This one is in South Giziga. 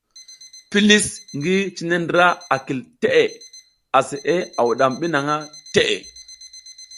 Pilis ngi cine ndra a kil teʼe, aseʼe a wuɗam bi nang teʼe.